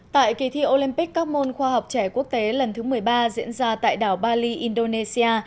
tại kỳ thi olympic các môn khoa học trẻ quốc tế lần thứ một mươi ba diễn ra tại đảo bali indonesia